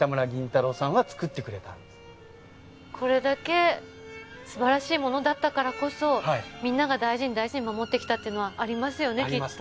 これだけすばらしいものだったからこそみんなが大事に大事に守ってきたっていうのはありますよねきっと。